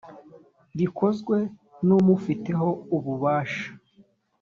bikozwe n umufiteho ububasha